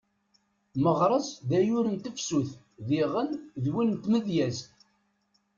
Meɣres d ayyur n tefsut diɣen d win n tmedyezt.